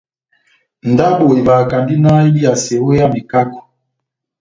Ndabo evahakandi náh ediyase ó hé ya mekako.